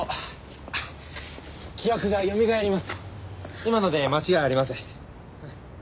今ので間違いありません。